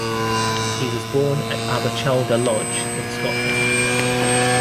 He was born at Aberchalder Lodge in Scotland.